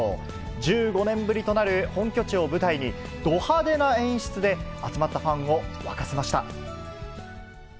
１５年ぶりとなる本拠地を舞台に、ど派手な演出で集まったファンを沸かせました。